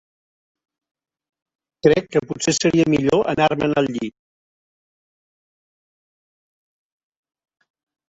Crec que potser seria millor anar-me'n al llit.